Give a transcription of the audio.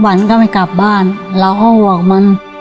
บนน์ก็ไปกลับบ้านเล่าห้องห่วงมัน